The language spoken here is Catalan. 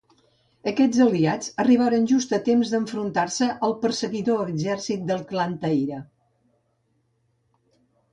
Aquests aliats arribaren just a temps d'enfrontar-se al perseguidor exèrcit del Clan Taira.